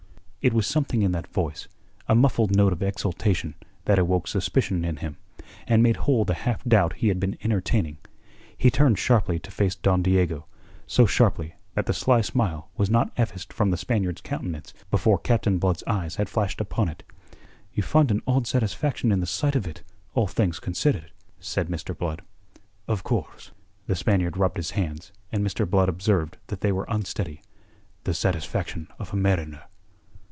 It was something in that voice, a muffled note of exultation, that awoke suspicion in him, and made whole the half doubt he had been entertaining. He turned sharply to face Don Diego, so sharply that the sly smile was not effaced from the Spaniard's countenance before Captain Blood's eyes had flashed upon it. "You find an odd satisfaction in the sight of it all things considered," said Mr. Blood. "Of course." The Spaniard rubbed his hands, and Mr. Blood observed that they were unsteady. "The satisfaction of a mariner."